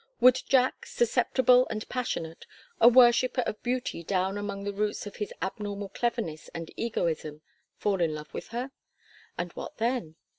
Would Jack, susceptible and passionate, a worshipper of beauty down among the roots of his abnormal cleverness and egoism, fall in love with her? And what then?